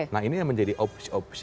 nah ini yang menjadi opsi opsi